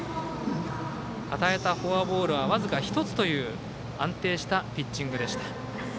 与えたフォアボールは僅か１つという安定したピッチングでした。